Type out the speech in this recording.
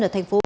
ở tp bumma